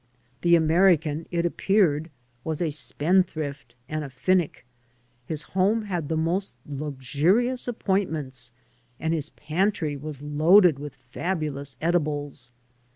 The American, it appeared, was a spendthrift and a finick. His home had the most luxurious appointments, and his pantry was loaded with fabulous edibles.